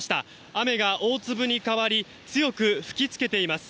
雨が大粒に変わり強く吹きつけています。